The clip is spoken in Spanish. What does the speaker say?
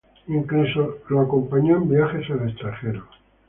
Incluso lo acompañó en viajes al extranjero.